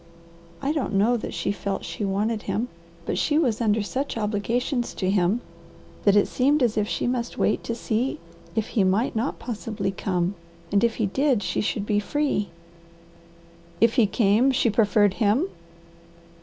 I don't know that she felt she wanted him, but she was under such obligations to him that it seemed as if she must wait to see if he might not possibly come, and if he did she should be free." "If he came, she preferred him?"